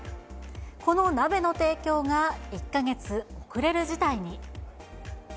この鍋の提供が１か月遅れる事態に。